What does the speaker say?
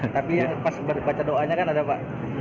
tapi pas baca doanya kan ada pak